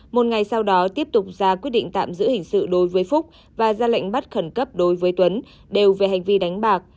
một ngày sau đó tiếp tục ra quyết định tạm giữ hình sự đối với phúc và ra lệnh bắt khẩn cấp đối với tuấn đều về hành vi đánh bạc